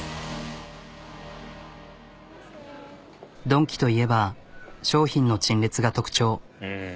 ドンキといえば商品の陳列が特徴。